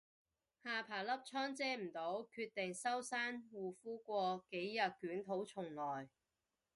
下巴粒瘡遮唔到，決定收山護膚過幾日捲土重來